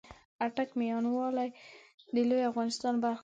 آټک ، ميان والي د لويې افغانستان برخه دې